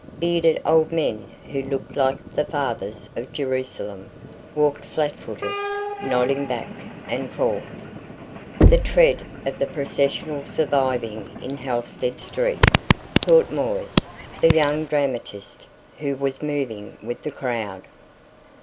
Bearded old men who looked like the fathers of Jerusalem walked flatfooted, nodding back and forth. "The tread of the processional surviving in Halsted Street," thought Moisse, the young dramatist who was moving with the crowd.